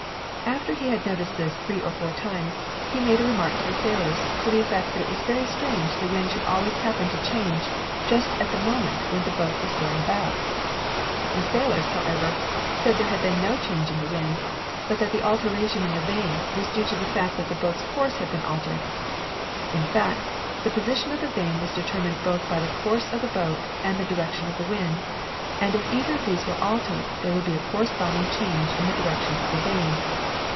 After he had noticed this three or four times he made a remark to the sailors to the effect that it was very strange the wind should always happen to change just at the moment when the boat was going about. The sailors, however, said there had been no change in the wind, but that the alteration in the vane was due to the fact that the boat's course had been altered. In fact, the position of the vane was determined both by the course of the boat and the direction of the wind, and if either of these were altered there would be a corresponding change in the direction of the vane.